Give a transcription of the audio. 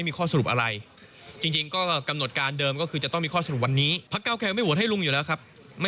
ไม่ได้โหวตให้ลุงอยู่แล้วครับ